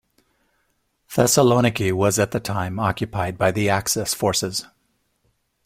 Thessaloniki was at that time occupied by the Axis forces.